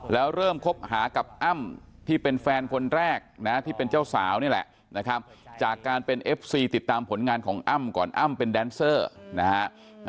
แล้วเริ่มคบหากับอ้ำที่เป็นแฟนคนแรกนะที่เป็นเจ้าสาวนี่แหละนะครับจากการเป็นเอฟซีติดตามผลงานของอ้ำก่อนอ้ำเป็นแดนเซอร์นะฮะ